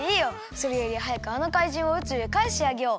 それよりはやくあのかいじんを宇宙へかえしてあげよう！